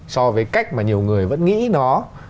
so với cách mà nhiều người vẫn nghĩ nó